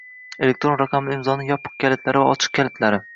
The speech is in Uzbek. Elektron raqamli imzoning yopiq kalitlari va ochiq kalitlari